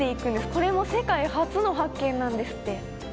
これも世界初の発見なんですって。